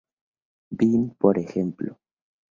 Bean, por ejemplo.